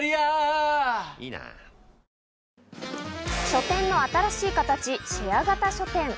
書店の新しい形、シェア型書店。